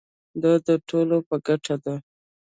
دا د ټولو په ګټه ده.